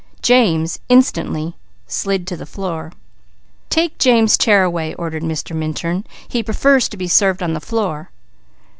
James instantly slid to the floor. "Take James' chair away!" ordered Mr. Minturn. "He prefers to be served on the floor."